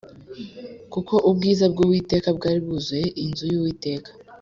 kuko ubwiza bw’Uwiteka bwari bwuzuye inzu y’Uwiteka